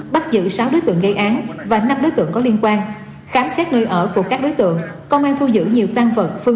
bắt giữ sáu đối tượng gây án và năm đối tượng có liên quan